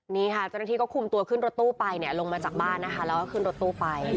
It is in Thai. นี่ค่ะเจ้าหน้าที่ก็คุมตัวขึ้นรถตู้ไปเนี่ยลงมาจากบ้านนะคะแล้วก็ขึ้นรถตู้ไป